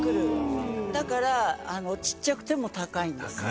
だからちっちゃくても高いんです。